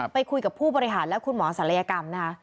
ไปคุยกับผู้บริหารและคุณหมอศัลยกรรมนะคะ